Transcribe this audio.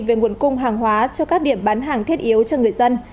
về nguồn cung hàng hóa cho các điểm bán hàng thiết yếu cho người dân